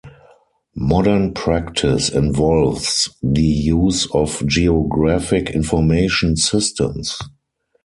Modern practice involves the use of Geographic Information Systems.